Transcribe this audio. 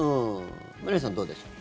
まりあさんどうでしょう？